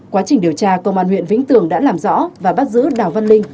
quá trình điều tra công an huyện vĩnh tường đã làm rõ và bắt giữ đào văn linh